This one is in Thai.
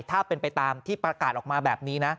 ถ้าเป็นไปตามที่ประกาศออกมาแบบนี้นะ